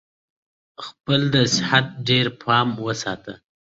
He is the first Governor of the province to be elected under protest.